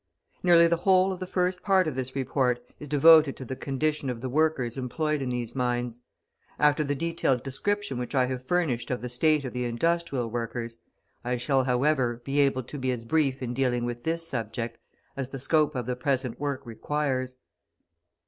Nearly the whole of the first part of this report is devoted to the condition of the workers employed in these mines. After the detailed description which I have furnished of the state of the industrial workers, I shall, however, be able to be as brief in dealing with this subject as the scope of the present work requires.